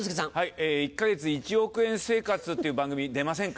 「１か月１億円生活」っていう番組出ませんか？